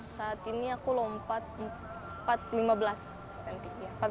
saat ini aku lompat empat puluh lima menit